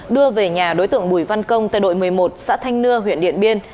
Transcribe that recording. đưa về nhà đối tượng bùi văn công tại đội một mươi một xã thanh nưa huyện điện biên